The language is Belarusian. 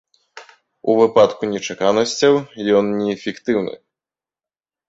У выпадку нечаканасцяў, ён неэфектыўны.